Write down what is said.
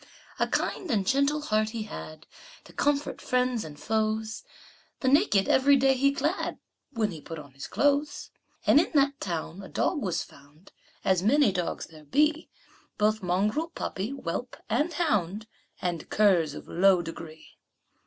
A kind and gentle heart he had, To comfort friends and foes; The naked every day he clad When he put on his clothes. And in that town a dog was found, As many dogs there be, Both mongrel, puppy, whelp and hound, And curs of low degree.